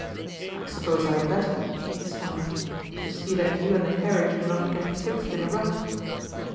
"I suppose I had better," he smiled. "To see that you and the carriage do not get fixed in a rut."